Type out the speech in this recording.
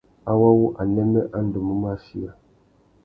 Awô wu anêmê a ndú mú mù achiya.